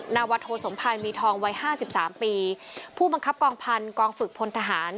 นาวัตโทสมภายมีทองวัยห้าสิบสามปีผู้บังคับกองพันธุ์กองฝึกพลทหาร